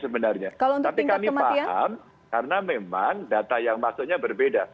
tapi kami paham karena memang data yang masuknya berbeda